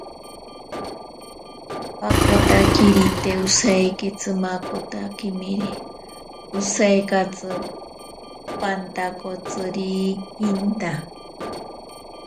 Paakotakiri te osaiki tsimakotakimiri, osaikatsi pantakotsirikinta.